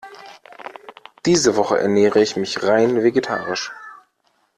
Diese Woche ernähre ich mich rein vegetarisch.